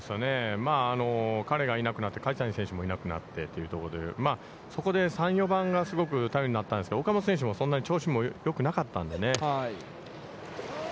まあ彼がいなくなって梶谷選手もいなくなってということで、そこで３、４番がすごく頼りになったんですけど岡本選手もそんなに調子もよくなかったんでね。